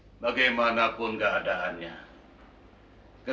sebagai anak yang dihormati